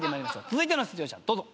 続いての出場者どうぞ。